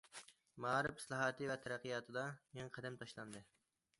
مائارىپ ئىسلاھاتى ۋە تەرەققىياتىدا يېڭى قەدەم تاشلاندى.